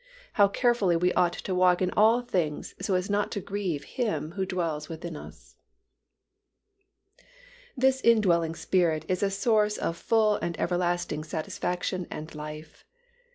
How carefully we ought to walk in all things so as not to grieve Him who dwells within us. This indwelling Spirit is a source of full and everlasting satisfaction and life.